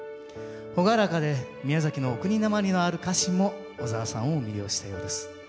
朗らかで宮崎のお国なまりのある歌詞も小澤さんを魅了したようです。